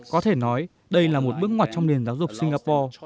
có thể nói đây là một bước ngoặt trong nền giáo dục singapore